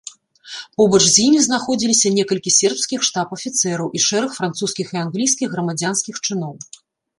Побач з імі знаходзіліся некалькі сербскіх штаб-афіцэраў і шэраг французскіх і англійскіх грамадзянскіх чыноў.